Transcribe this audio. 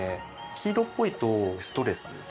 黄色っぽいとストレスですとか。